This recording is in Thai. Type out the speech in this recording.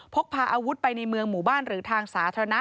พกพาอาวุธไปในเมืองหมู่บ้านหรือทางสาธารณะ